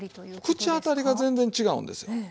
口当たりが全然違うんですよ。